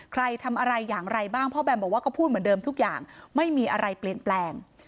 ใครทำอะไรอย่างไรบ้างพ่อแบมบอกว่าก็พูดเหมือนเดิมทุกอย่างไม่มีอะไรเปลี่ยนแปลง